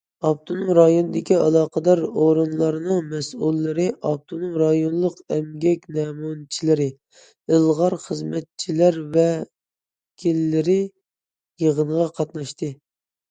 ئاپتونوم رايوندىكى ئالاقىدار ئورۇنلارنىڭ مەسئۇللىرى، ئاپتونوم رايونلۇق ئەمگەك نەمۇنىچىلىرى، ئىلغار خىزمەتچىلەر ۋەكىللىرى يىغىنغا قاتناشتى.